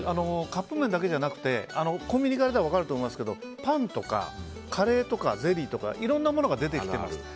カップ麺だけじゃなくてコンビに行かれたら分かると思いますけどパンとかカレーとかゼリーとかいろんなものが出てきてます。